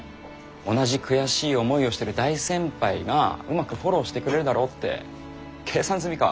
同じ悔しい思いをしてる大先輩がうまくフォローしてくれるだろうって計算済みか。